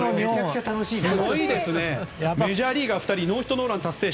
メジャーリーガー２人ノーヒットノーラン達成者。